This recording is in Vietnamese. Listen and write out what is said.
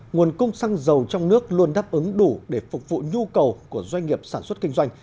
nguồn cung xăng dầu trong nước luôn đáp ứng đủ để phục vụ nhu cầu của doanh nghiệp sản xuất kinh doanh